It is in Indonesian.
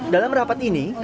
dalam rapat ini